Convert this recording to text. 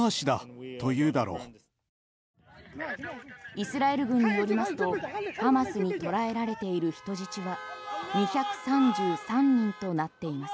イスラエル軍によりますとハマスに捕らえられている人質は２３３人となっています。